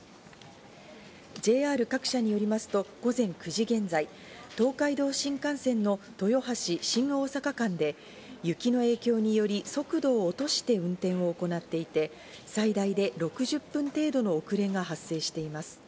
ＪＲ各社によりますと午前９時現在、東海道新幹線の豊橋−新大阪間で雪の影響により速度を落として運転を行っていて、最大で６０分程度の遅れが発生しています。